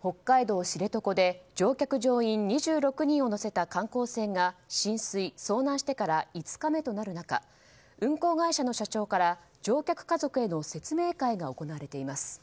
北海道知床で乗客・乗員２６人を乗せた観光船が浸水・遭難してから５日目となる中運航会社の社長から乗客家族への説明会が行われています。